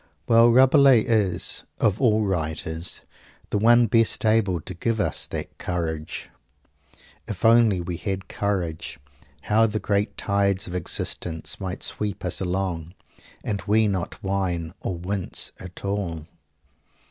_ Well, Rabelais is, of all writers, the one best able to give us that courage. If only we had courage, how the great tides of existence might sweep us along and we not whine or wince at all!